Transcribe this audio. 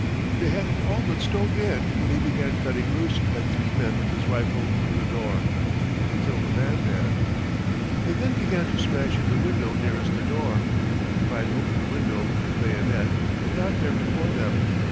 They had it all but stove in when he began cutting loose like three men with his rifle through the door. He killed a man there. They then began to smash in the window nearest the door. He pried open the window with his bayonet, and got there before them.